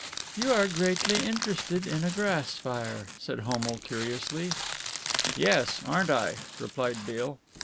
"You are greatly interested in a grass fire," said Homo curiously. "Yes, aren't I?" replied Beale.